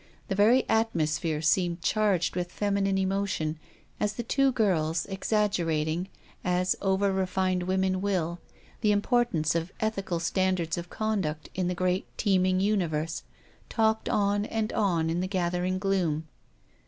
The very atmosphere seemed charged with feminine emotion, as the two girls, exaggerating, as over refined women will, the importance of ethical standards of conduct in the great teeming universe, talked on and on in the gathering gloom.